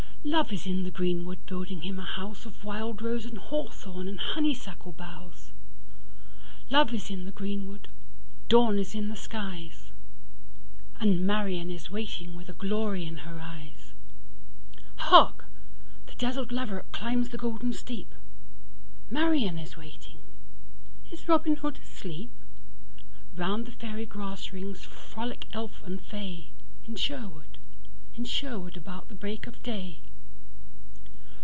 Love is in the greenwood building him a houseOf wild rose and hawthorn and honeysuckle boughs; Love it in the greenwood: dawn is in the skies; And Marian is waiting with a glory in her eyes. Hark! The dazzled laverock climbs the golden steep:Marian is waiting: is Robin Hood asleep? Round the fairy grass rings frolic elf and fay, In Sherwood, in Sherwood, about the break of day.